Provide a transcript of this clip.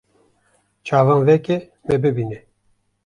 Çavan veke me bibîne